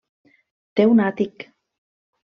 Té un àtic.